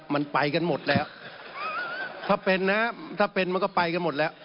มันไปกันหมดแล้วถ้าเป็นนะถ้าเป็นมันก็ไปกันหมดแล้ว